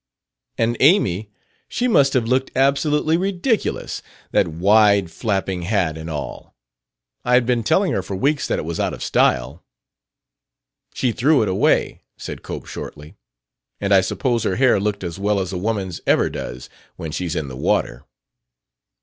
"And Amy, she must have looked absolutely ridiculous! That wide, flapping hat, and all! I had been telling her for weeks that it was out of style." "She threw it away," said Cope shortly. "And I suppose her hair looked as well as a woman's ever does, when she's in the water."